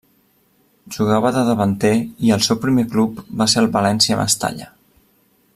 Jugava de davanter i el seu primer club va ser el València Mestalla.